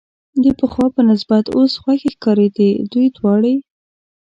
د پخوا په نسبت اوس خوښې ښکارېدې، دوی دواړې.